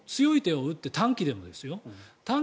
ここで強い手を打って短期でもですよ。